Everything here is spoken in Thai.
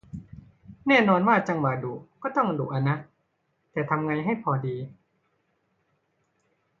แน่นอนว่าจังหวะดุก็ต้องดุอะนะ แต่ทำไงให้พอดี